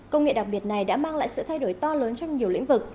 công nghệ đặc biệt này đã mang lại sự thay đổi to lớn trong nhiều lĩnh vực